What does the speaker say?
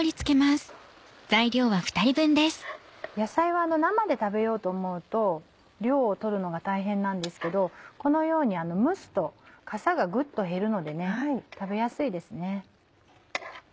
野菜は生で食べようと思うと量を取るのが大変なんですけどこのように蒸すとかさがぐっと減るので食べやすいですね。